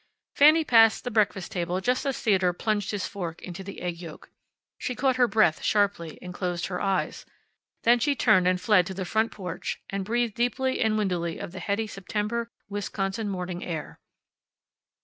Fanny passed the breakfast table just as Theodore plunged his fork into the egg yolk. She caught her breath sharply, and closed her eyes. Then she turned and fled to the front porch and breathed deeply and windily of the heady September Wisconsin morning air.